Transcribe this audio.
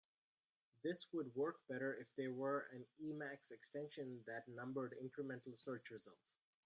This would work better if there were an Emacs extension that numbered incremental search results.